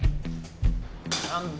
何だ？